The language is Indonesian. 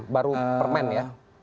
baru permen ya